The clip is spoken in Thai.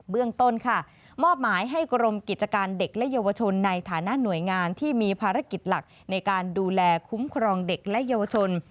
เรื่องต้นค่ะมอบหมายให้กรมกิจการเด็กและเยาวชนในฐานะหน่วยงานที่มีภารกิจหลักในการดูแลคุ้มครองเด็กและเยาวชน